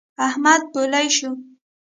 احمد پولۍ شو.